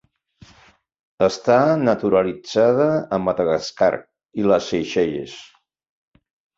Està naturalitzada a Madagascar i les Seychelles.